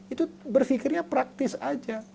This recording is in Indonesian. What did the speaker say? itu berfikirnya praktis aja